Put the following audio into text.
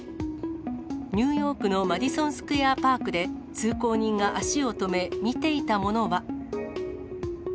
ニューヨークのマディソン・スクエア・パークで、通行人が足を止め、見ていたものは。